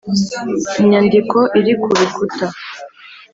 inyandiko iri kurukuta